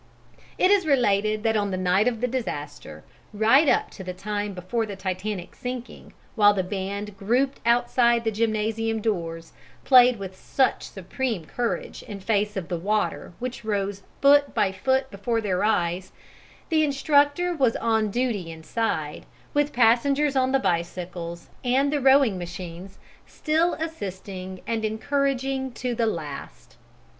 It is related that on the night of the disaster, right up to the time of the Titanic's sinking, while the band grouped outside the gymnasium doors played with such supreme courage in face of the water which rose foot by foot before their eyes, the instructor was on duty inside, with passengers on the bicycles and the rowing machines, still assisting and encouraging to the last.